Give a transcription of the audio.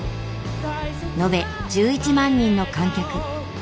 延べ１１万人の観客。